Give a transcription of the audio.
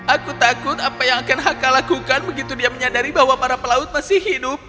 aku takut apa yang akan haka lakukan begitu dia menyadari bahwa para pelaut masih hidup